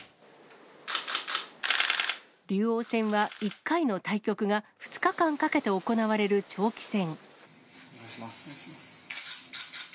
竜王戦は１回の対局が２日間かけて行われる長期戦。